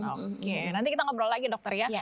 oke nanti kita ngobrol lagi dokter ya